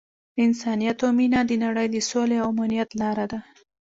انسانیت او مینه د نړۍ د سولې او امنیت لاره ده.